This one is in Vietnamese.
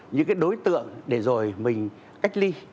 những cái đối tượng để rồi mình cách ly